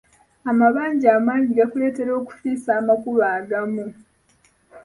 Amabanja amangi gakuleetera okufiisa amakubo agamu.